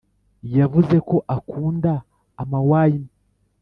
yavuze ko akunda ama wine